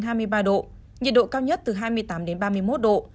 nhiệt độ cao nhất từ hai mươi tám đến ba mươi một độ